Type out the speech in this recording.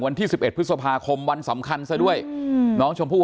วันที่สิบเอ็ดพฤษภาคมวันสำคัญซะด้วยอืมน้องชมผู้